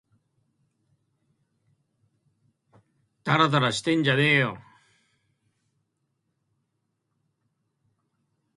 たらたらしてんじゃねぇよ